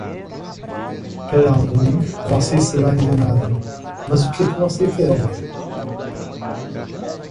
Para alguns, você será enganado, mas o que você quer?